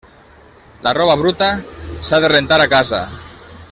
La roba bruta s'ha de rentar a casa.